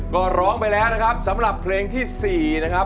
ก็ร้องไปแล้วนะครับสำหรับเพลงที่๔นะครับ